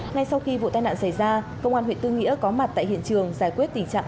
ngay sau khi vụ tai nạn xảy ra công an huyện tư nghĩa có mặt tại hiện trường giải quyết tình trạng